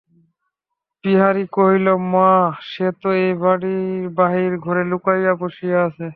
বিহারী কহিল, মা, সে তো এই বাড়িরই বাহির-ঘরে লুকাইয়া বসিয়া আছে।